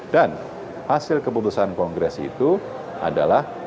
dan hasil keputusan kongres itu adalah